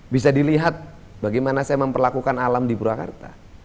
bisa dilihat bagaimana saya memperlakukan alam di purwakarta